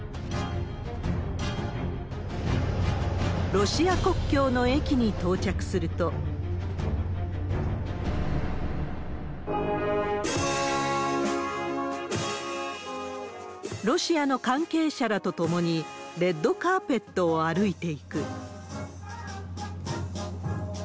ロシア国境の駅に到着すると、ロシアの関係者らとともに、レッドカーペットを歩いていく。